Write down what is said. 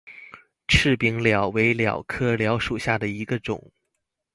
翅柄蓼为蓼科蓼属下的一个种。